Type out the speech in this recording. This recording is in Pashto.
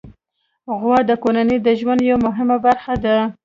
غوا د کورنۍ د ژوند یوه مهمه برخه ده.